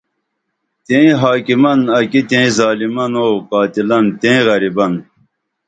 تئیں حاکِمن اکی تئیں ظالِمن او قاتِلن تئیں غریبن